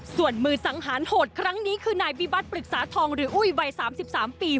ส่วนมือสังหารโหดครั้งนี้คือนายบิบัติปรึกษาทองหรืออุ้ยวัย๓๓ปี